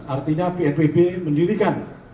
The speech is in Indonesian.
artinya pnpb mendirikan